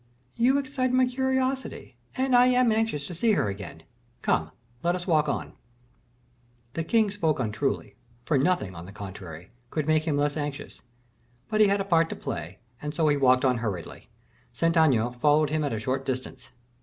"You excite my curiosity and I am anxious to see her again. Come, let us walk on." The king spoke untruly, for nothing, on the contrary, could make him less anxious, but he had a part to play, and so he walked on hurriedly. Saint Aignan followed him at a short distance.